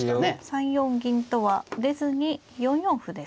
３四銀とは出ずに４四歩です。